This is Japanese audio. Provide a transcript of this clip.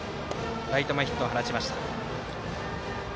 ライト前ヒットを放ちました。